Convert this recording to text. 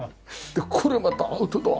これまたアウトドア。